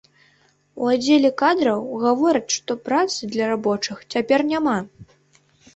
У аддзеле кадраў гавораць, што працы для рабочых цяпер няма.